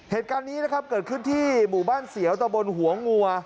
เหตุการณ์นี้นะครับเกิดขึ้นที่หมู่บ้านเสียวตะบนหัวงัว